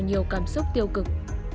nhiều cảm xúc tiêu cực